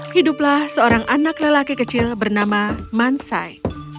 hiduplah seorang anak lelaki kecil bernama mansai